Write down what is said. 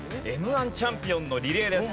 Ｍ−１チャンピオンのリレーです。